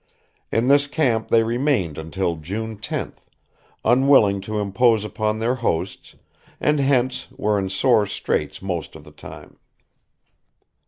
In this camp they remained until June 10, unwilling to impose upon their hosts, and hence were in sore straits most of the time.